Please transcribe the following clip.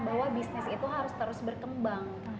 bahwa bisnis itu harus terus berkembang